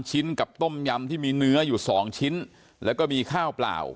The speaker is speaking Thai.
ชิ้นกับต้มยำที่มีเนื้ออยู่๒ชิ้นแล้วก็มีข้าวเปล่า